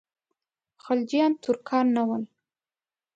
خلجیان ترکان نه ول.